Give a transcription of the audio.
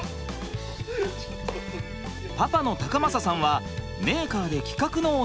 パパの貴匡さんはメーカーで企画のお仕事。